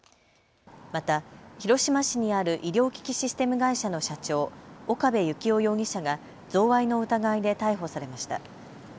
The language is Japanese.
また広島市にある医療機器システム会社の社長、岡部幸夫容疑者が贈賄の疑いで逮捕されました。